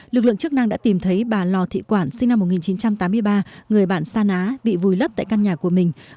lực lượng chức năng đã tìm thấy bà lò thị quản sinh năm một nghìn chín trăm tám mươi ba người bản sa ná bị vùi lấp tại căn nhà của mình